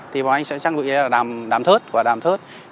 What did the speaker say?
thì bọn anh sẽ trang bị là đàm thớt